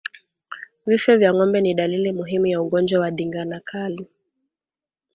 Vifo vya ngombe ni dalili muhimu ya ugonjwa wa ndigana kali